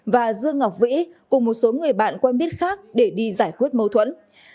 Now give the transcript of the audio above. và dương ngọc vĩ cùng một số người bạn quen biết khác để đi giải quyết mâu thuẫn